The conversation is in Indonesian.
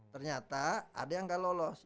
ternyata ada yang nggak lolos